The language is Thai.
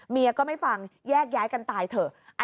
เมียก็ไม่ฟังแยกย้ายกันตายเถอะ